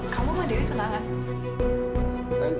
kamu mandiri kenangan